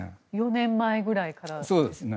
４年前ぐらいからですね。